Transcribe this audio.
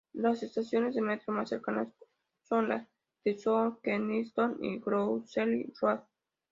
Las estaciones de metro más cercanas son la de South Kensington y Gloucester Road.